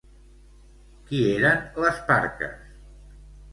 Qui eren les Parques?